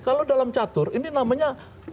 kalau dalam catur ini namanya